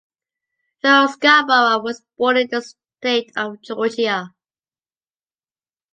Joe Scarborough was born in the state of Georgia.